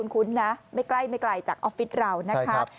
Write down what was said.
คุ้นนะไม่ใกล้ไม่ไกลจากออฟฟิศเรานะคะ